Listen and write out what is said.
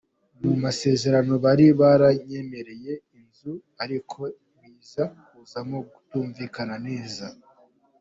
Mu masezerano bari baranyemereye inzu ariko biza kuzamo kutumvikana neza.